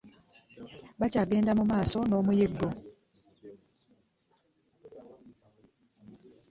Bakyagenda mu maaso n'omuyiggo.